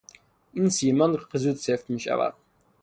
این سیمان زود سفت میشود.